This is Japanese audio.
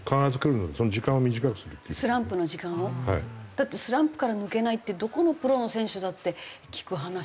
だってスランプから抜けないってどこのプロの選手だって聞く話で。